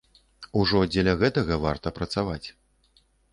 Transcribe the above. Ужо дзеля гэтага варта працаваць.